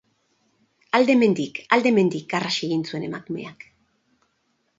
Alde hemendik, alde hemendik! Garrasi egin zuen emakumeak.